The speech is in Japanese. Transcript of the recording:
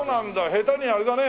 下手にあれだね